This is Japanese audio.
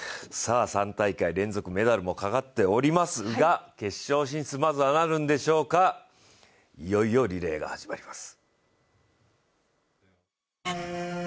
３大会連続メダルもかかっておりますが、決勝進出、まずはなるんでしょうかいよいよリレーが始まります。